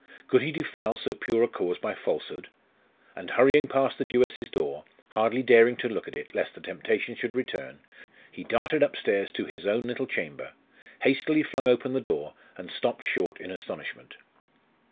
Could he defile so pure a cause by falsehood? And hurrying past the Jewess's door, hardly daring to look at it, lest the temptation should return, he darted upstairs to his own little chamber, hastily flung open the door, and stopped short in astonishment.